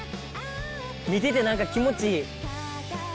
見ててなんか気持ちいい。